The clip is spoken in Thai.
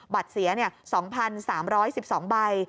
บัตรเสีย๒๓๑๒ใบ